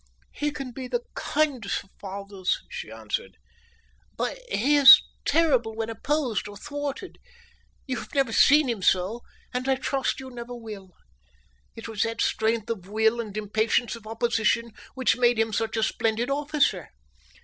"He can be the kindest of fathers," she answered. "But he is terrible when opposed or thwarted. You have never seen him so, and I trust you never will. It was that strength of will and impatience of opposition which made him such a splendid officer.